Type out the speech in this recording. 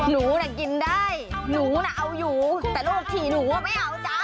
หนูน่ะกินได้หนูน่ะเอาอยู่แต่ลูกถี่หนูก็ไม่เอาจ้า